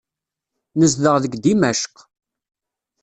Nezdeɣ deg Dimecq.